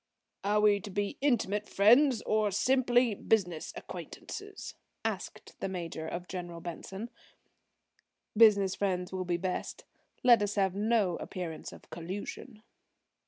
"Are we to be intimate friends or simply business acquaintances?" asked the Major of General Benson. "Business friends will be best. Let us have no appearance of collusion."